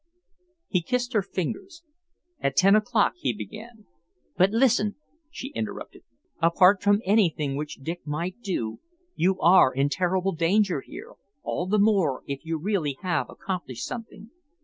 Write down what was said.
He kissed her fingers. "At ten o'clock," he began "But listen," she interrupted. "Apart from anything which Dick might do, you are in terrible danger here, all the more if you really have accomplished something.